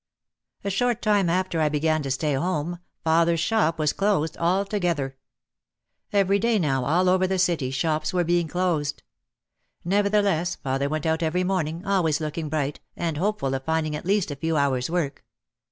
A short time after I began to stay home father's shop was closed altogether. Every day now all over the city shops were being closed. Nevertheless father went out every morning, always looking bright, and hopeful of finding at least a few hours' work.